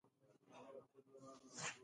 ښایسته ځوانان پکې راټول و.